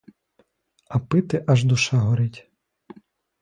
А пити аж душа горить.